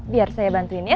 biar saya bantuin ya